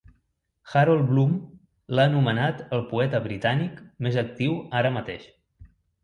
Harold Bloom l'ha anomenat el poeta britànic més actiu ara mateix.